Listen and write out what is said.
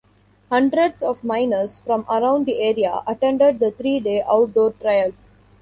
Hundreds of miners from around the area attended the three-day outdoor trial.